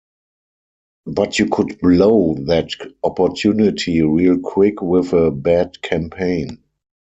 But you could blow that opportunity real quick with a bad campaign.